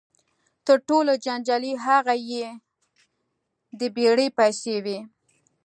تر ټولو جنجالي هغه یې د بېړۍ پیسې وې.